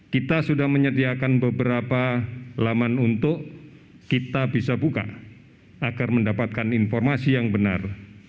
kita sudah menyediakan beberapa laman untuk kita bisa buka agar mendapatkan informasi yang benar